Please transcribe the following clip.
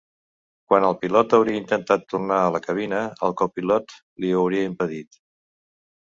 Quan el pilot hauria intentat tornar a la cabina, el copilot li ho hauria impedit.